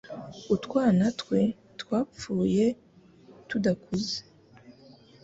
utwana twe twapfuye tudakuze